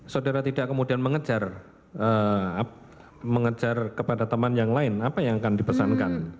saudara tidak kemudian mengejar mengejar kepada teman yang lain apa yang akan dipesankan